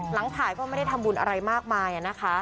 หลังถ่ายก็ไม่ได้ทำบุญอะไรมากมายนะคะ